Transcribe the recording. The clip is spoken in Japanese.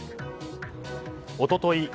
おととい